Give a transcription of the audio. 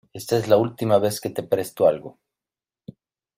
Está es la última vez que te presto algo.